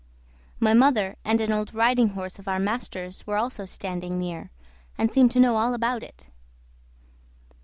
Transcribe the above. My mother and an old riding horse of our master's were also standing near, and seemed to know all about it.